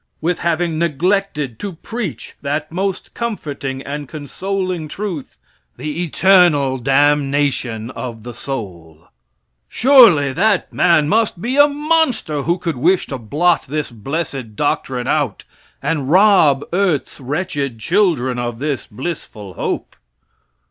With having neglected to preach that most comforting and consoling truth, the eternal damnation of the soul. Surely, that man must be a monster who could wish to blot this blessed doctrine out and rob earth's wretched children of this blissful hope!